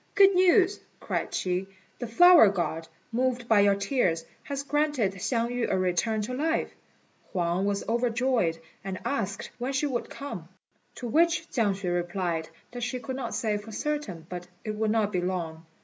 "Good news!" cried she, "the Flower God, moved by your tears, has granted Hsiang yü a return to life." Huang was overjoyed, and asked when she would come; to which Chiang hsüeh replied, that she could not say for certain, but that it would not be long.